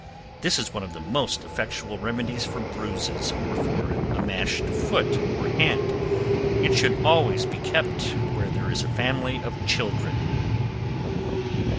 This is one of the most effectual remedies for bruises, or for a mashed foot or hand. It should always be kept where there is a family of children.